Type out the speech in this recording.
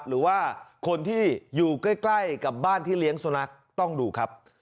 หรือว่าคนที่อยู่ใกล้กับบ้านที่เลี้ยงสุนัขต้องดูครับ